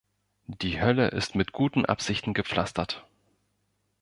Die Hölle ist mit guten Absichten gepflastert